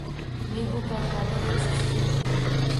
Men u paytlarda yosh qizcha edim